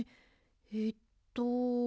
えっと。